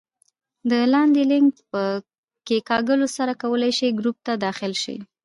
د لاندې لینک په کېکاږلو سره کولای شئ ګروپ ته داخل شئ